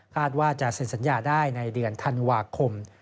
ว่าจะเซ็นสัญญาได้ในเดือนธันวาคม